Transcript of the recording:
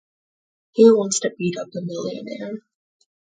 Who Wants to Beat Up a Millionaire?